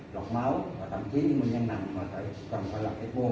lọc máu và thậm chí những bệnh nhân nặng mà cần phải lọc xét mua